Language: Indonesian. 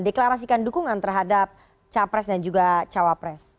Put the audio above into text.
deklarasikan dukungan terhadap capres dan juga cawapres